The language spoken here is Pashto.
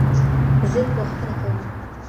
زه پوښتنه کوم